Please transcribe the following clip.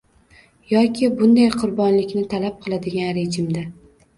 yoki bunday qurbonlikni talab qiladigan rejimda